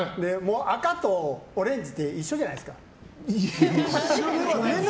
赤とオレンジって一緒ではないですけど。